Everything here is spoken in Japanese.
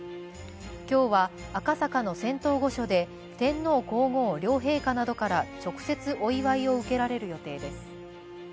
今日は、赤坂の仙洞御所で天皇皇后両陛下などから直接お祝いを受けられる予定です。